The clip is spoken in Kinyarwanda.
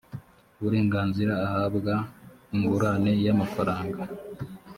uburenganzira ahabwa ingurane y amafaranga